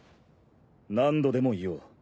何度でも言おう。